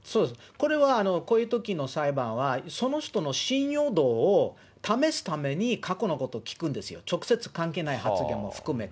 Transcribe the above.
これはこういうときの裁判は、その人の信用度を試すために、過去のことを聞くんですよ、直接関係ない発言も含めて。